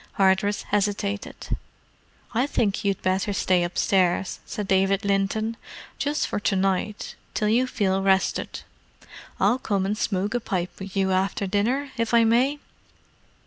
Hardress hesitated. "I think you'd better stay upstairs," said David Linton. "Just for to night—till you feel rested. I'll come and smoke a pipe with you after dinner, if I may."